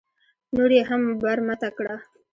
نور یې هم برمته کړه.